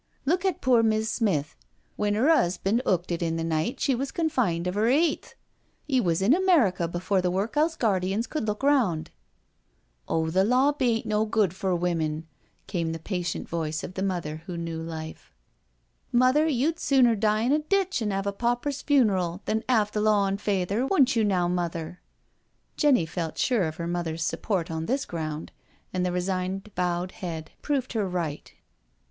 Look at pore Miss' Smithy when 'er 'usband 'ooked it the night she was confined of 'er eighth 1 He wus in America before the work house guardians could look round/' " Oh, the \2Bw bain't no good for women/' came the patient voice of the mother who knew life, " Mother, she'd sooner die in a ditch an' 'ave a pauper's fun'ral than 'ave the law on Fayther, wouldn't you now, Mother?" Jenny felt sure of her mother's support on this ground, and the resigned, bowed head proved her right.